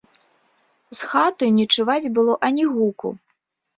З хаты не чуваць было ані гуку.